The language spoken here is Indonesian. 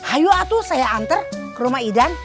ayo atu saya anter ke rumah idan